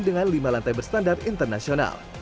dengan lima lantai berstandar internasional